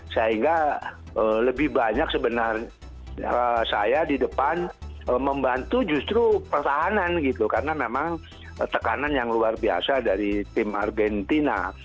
sehingga lebih banyak sebenarnya saya di depan membantu justru pertahanan gitu karena memang tekanan yang luar biasa dari tim argentina